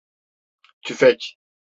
Tüfek?